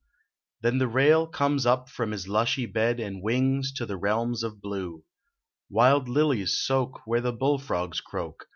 Then the rail comes up from his lushy bed And wings to the realms of blue. Wild lilies soak where the bullfrogs croak.